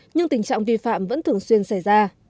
nhưng tình trạng vi phạm vẫn thường xuyên xảy ra